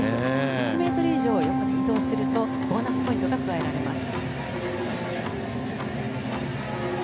１ｍ以上、横に移動するとボーナスポイントが加えられます。